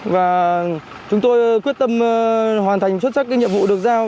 và chúng tôi quyết tâm hoàn thành xuất sắc cái nhiệm vụ được giao